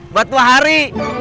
buat dua hari